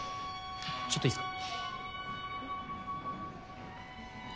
ちょっといいっすか？